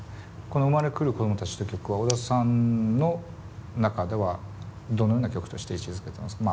この「生まれ来る子供たち」っていう曲は小田さんの中ではどのような曲として位置づけてますか？